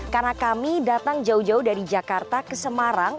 karena kami datang jauh jauh dari jakarta ke semarang